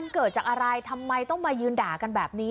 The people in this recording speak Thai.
เกิดจากอะไรทำไมต้องมายืนด่ากันแบบนี้